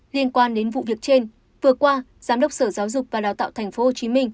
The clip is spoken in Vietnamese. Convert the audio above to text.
liên quan đến vụ việc trên vừa qua giám đốc sở giáo dục và đào tạo tp hcm